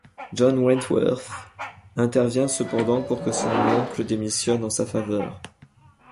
John Wentworth intervient cependant pour que son oncle démissionne en sa faveur.